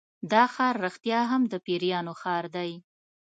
دا ښار رښتیا هم د پیریانو ښار دی.